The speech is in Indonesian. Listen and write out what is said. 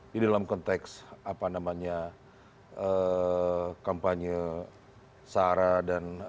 di dalam konteks apa namanya kampanye sara dan